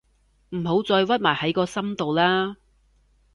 唔好再屈埋喺個心度喇